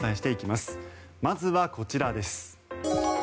まずは、こちらです。